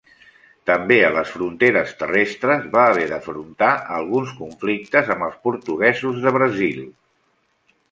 També a les fronteres terrestres va haver d'afrontar alguns conflictes amb els portuguesos de Brasil.